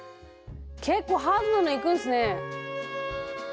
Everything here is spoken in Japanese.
結構ハードなのいくんすね。